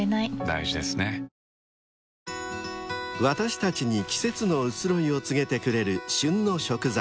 ［私たちに季節の移ろいを告げてくれる］